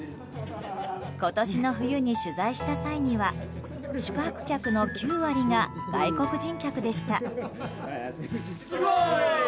今年の冬に取材した際には宿泊客の９割が外国人客でした。